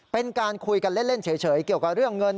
เป็นการคุยกันเล่นเฉยเกี่ยวกับเรื่องเงิน